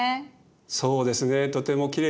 そうですねとてもきれいでしょう？